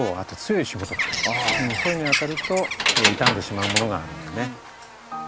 そういうのにあたると傷んでしまうものがあるんでね。